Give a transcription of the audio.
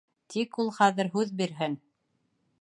-Тик ул хәҙер һүҙ бирһен.